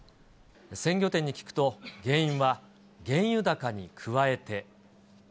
鮮魚店に聞くと、原因は、原油高に加えて。